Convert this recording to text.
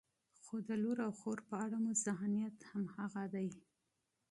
خو د لور او خور په اړه مو ذهنیت همغه دی.